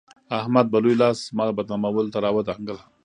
احمد به لوی لاس زما بدنامولو ته راودانګل.